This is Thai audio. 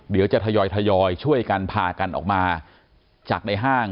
เดี๋ยวจะทยอยช่วยกันพากันออกมาจากในห้าง